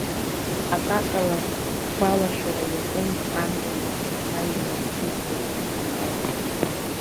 Акакала сгәалашәара иаҿын амҩан арҭ аҩымш избаз, исаҳаз.